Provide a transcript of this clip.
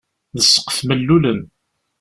D ssqef mellulen.